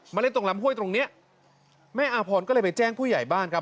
เล่นตรงลำห้วยตรงเนี้ยแม่อาพรก็เลยไปแจ้งผู้ใหญ่บ้านครับ